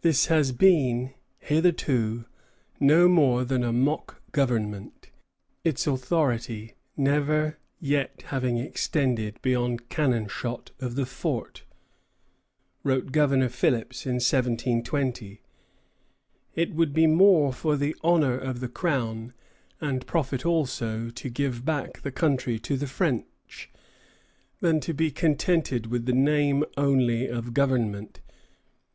"This has been hitherto no more than a mock government, its authority never yet having extended beyond cannon shot of the fort," wrote Governor Philipps in 1720. "It would be more for the honour of the Crown, and profit also, to give back the country to the French, than to be contented with the name only of government."